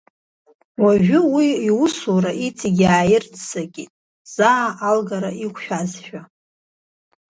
Уажәы уи иусура иҵегь иааирццакит, заа алгара иқәшәазшәа.